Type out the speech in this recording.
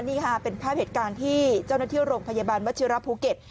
นี่ค่ะเป็นภาพเหตุการณ์ที่เจ้าหน้าที่โรงพยาบาลวัชิระภูเก็ต